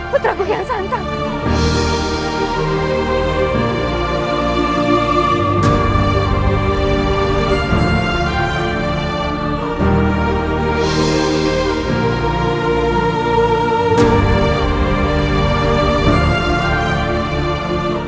putra gugian santang